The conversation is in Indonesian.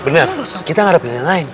bener kita gak ada pilihan lain